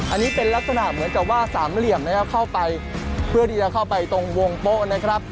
อันนี้เป็นลักษณะเหมือนกับว่าสามเหลี่ยมนะครับเข้าไปเพื่อที่จะเข้าไปตรงวงโป๊ะนะครับ